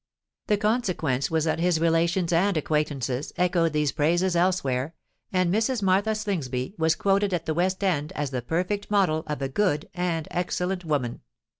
The consequence was that his relations and acquaintances echoed these praises elsewhere; and Mrs. Martha Slingsby was quoted at the West End as the perfect model of a good and excellent woman.